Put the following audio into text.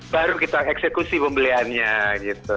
baru kita eksekusi pembeliannya gitu